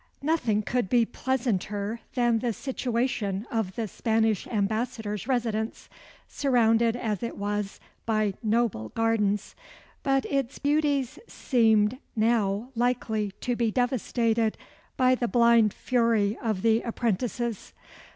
Nothing could be pleasanter than the situation of the Spanish ambassador's residence, surrounded as it was by noble gardens; but its beauties seemed now likely to be devastated by the blind fury of the apprentices.